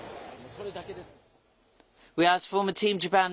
それだけです。